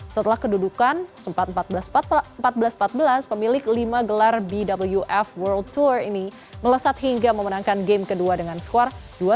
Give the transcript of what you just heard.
setelah kedudukan empat belas empat belas pemilik lima gelar bwf world tour ini melesat hingga memenangkan game kedua dengan skor dua satu